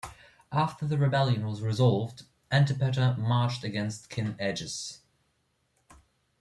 After the rebellion was resolved, Antipater marched against King Agis.